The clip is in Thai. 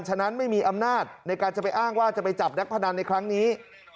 ฉะนั้นไม่มีอำนาจในการจะไปอ้างว่าจะไปจับนักพนันในครั้งนี้